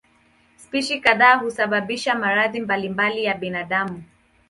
Spishi kadhaa husababisha maradhi mbalimbali ya binadamu.